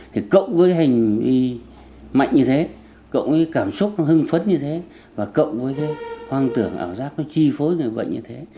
thì cộng với cái hành vi mạnh như thế cộng với cái cảm xúc hưng phấn như thế và cộng với cái hoang tưởng ảo giác nó chi phối người bệnh như thế